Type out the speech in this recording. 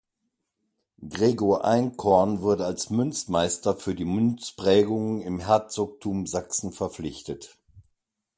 Gregor Einkorn wurde als Münzmeister für die Münzprägungen im Herzogtum Sachsen verpflichtet.